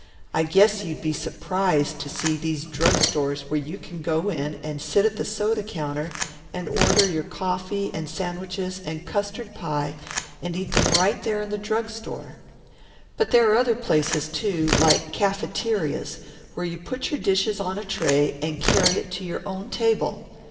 I guess you would be surprised to see these drug stores where you can go in and sit at the soda counter and order your coffee and sandwiches and custard pie and eat them right there in the drug store, but there are other places, too, like cafeterias, where you put your dishes on a tray and carry it to your own table.